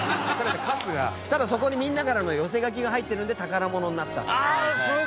ただそこにみんなからの寄せ書きが入ってるんで宝物になったっていう。